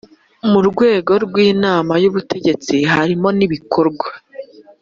murwego rw inama y ubutegetsi harimo n ibikorwa